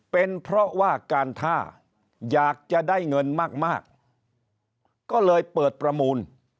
เป็นเพราะว่าการท่าอยากจะได้เงินมากก็เลยเปิดประมูล